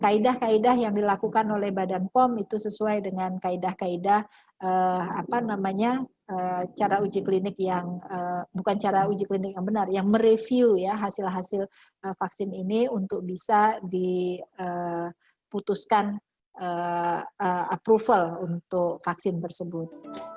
kaedah kaedah yang dilakukan oleh badan pom itu sesuai dengan kaedah kaedah cara uji klinik yang mereview hasil hasil vaksin ini untuk bisa diputuskan approval untuk vaksin tersebut